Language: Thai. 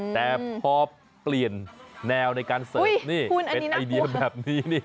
แต่พอเปลี่ยนแนวในการเสิร์ฟนี่เป็นไอเดียแบบนี้นี่